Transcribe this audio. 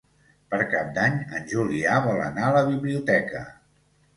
Per Cap d'Any en Julià vol anar a la biblioteca.